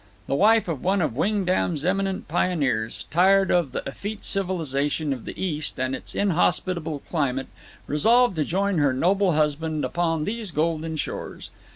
The wife of one of Wingdam's eminent pioneers, tired of the effete civilization of the East and its inhospitable climate, resolved to join her noble husband upon these golden shores.